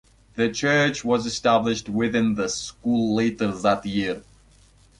The church was established within the school later that year.